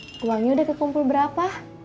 kak cimot uangnya udah kekumpul berapa